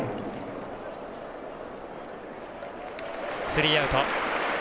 スリーアウト。